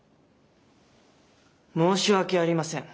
申し訳ありません。